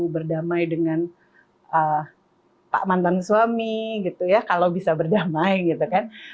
berdamai dengan pak mantan suami gitu ya kalau bisa berdamai gitu kan